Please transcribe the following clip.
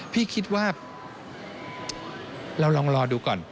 พี่คิดว่าเราลองรอดูก่อน